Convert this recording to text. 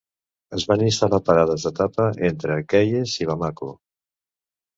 Es van instal·lar parades d’etapa entre Kayes i Bamako.